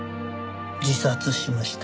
「自殺しました。